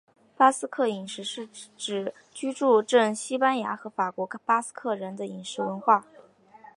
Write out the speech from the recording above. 巴斯克饮食是指居住证西班牙和法国的巴斯克人的饮食文化。